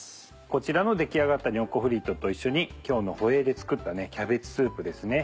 こちらの出来上がったニョッコフリットと一緒に今日のホエーで作ったキャベツスープですね。